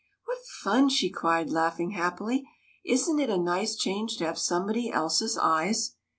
" What fun !" she cried, laughing happily. " Is n't it a nice change to have somebody else's eyes